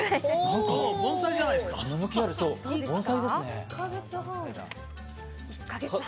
盆栽じゃないですか。